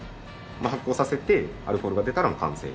発酵させてアルコールが出たら完成。